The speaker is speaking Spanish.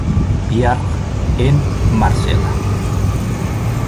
Pierre, en Marsella.